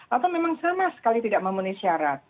atau memang sama sekali tidak memenuhi syarat